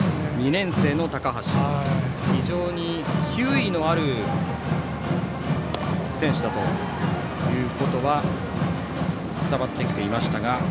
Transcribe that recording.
２年生の高橋、非常に球威のある選手だということは伝わってきていましたが。